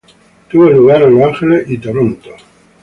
Tuvo lugar en Los Ángeles y Toronto.